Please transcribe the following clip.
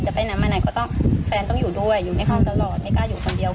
แต่ไปไหนมาไหนก็ต้องแฟนต้องอยู่ด้วยอยู่ในห้องตลอดไม่กล้าอยู่คนเดียว